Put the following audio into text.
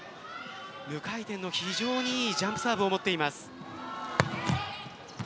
無回転の非常にいいジャンプサーブを持っています。